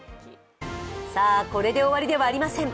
これで終わりではありません。